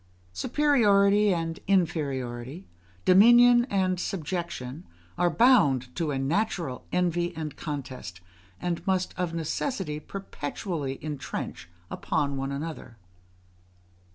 Superiority and inferiority, dominion and subjection are bound to a natural envy and contest, and must of necessity perpetually intrench upon one another.